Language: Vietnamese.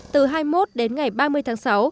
từ hai mươi một đến ngày ba mươi tháng sáu